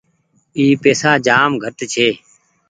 اي پئيسا جآم گھٽ ڇي۔